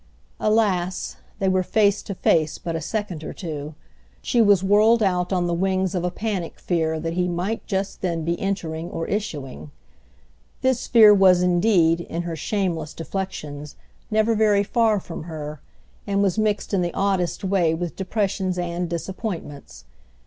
Alas! they were face to face but a second or two: she was whirled out on the wings of a panic fear that he might just then be entering or issuing. This fear was indeed, in her shameless deflexions, never very far from her, and was mixed in the oddest way with depressions and disappointments.